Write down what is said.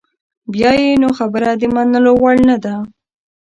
بیا یې نو خبره د منلو وړ نده.